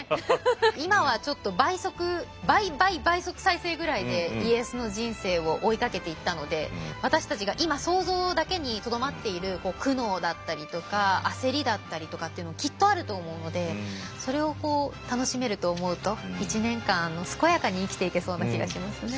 今はちょっと倍速倍倍倍速再生ぐらいで家康の人生を追いかけていったので私たちが今想像だけにとどまっている苦悩だったりとか焦りだったりとかっていうのもきっとあると思うのでそれをこう楽しめると思うと１年間健やかに生きていけそうな気がしますね。